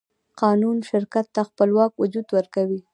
قانون شرکت ته خپلواک وجود ورکوي.